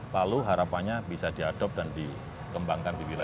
lalu harapannya bisa diadopsi dan dikembangkan di dunia luar